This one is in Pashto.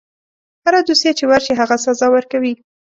هره دوسیه چې ورشي هغه سزا ورکوي.